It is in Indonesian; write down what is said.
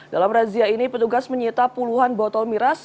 dalam razia ini petugas menyita puluhan botol miras